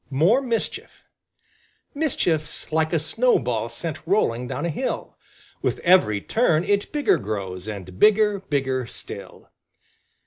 MORE MISCHIEF Mischief's like a snowball Sent rolling down a hill; With every turn it bigger grows And bigger, bigger still.